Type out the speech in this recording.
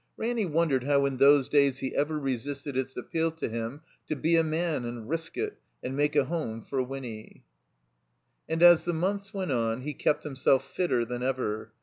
Ranny won dered how in those days he ever resisted its appeal to him to be a man and risk it and make a home for Winny. And as the months went on he kept himself fitter than ever.